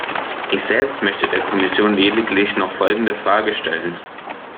Ich selbst möchte der Kommission lediglich noch folgende Frage stellen.